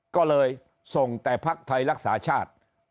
ก็เลยส่งแต่ภักดิ์ไทยรักษาชาติ